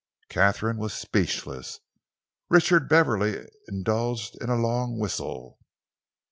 Katharine was speechless. Richard Beverley indulged in a long whistle.